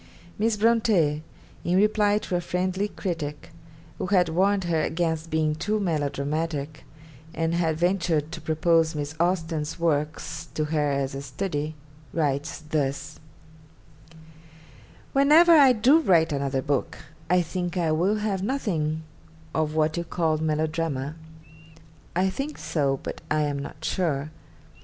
Miss Bronte, in reply to a friendly critic, who had warned her against being too melodramatic, and had ventured to propose Miss Austen's works to her as a study, writes thus: 'Whenever I do write another book, I think I will have nothing of what you call "melodrama." I think so, but I am not sure.